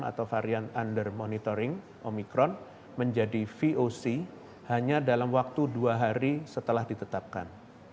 atau varian under monitoring omikron menjadi voc hanya dalam waktu dua hari setelah ditetapkan